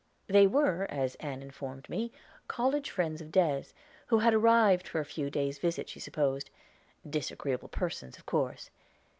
They were, as Ann informed me, college friends of Des, who had arrived for a few days' visit, she supposed; disagreeable persons, of course.